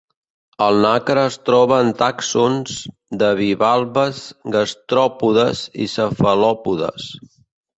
El nacre es troba en tàxons de bivalves gastròpodes i cefalòpodes.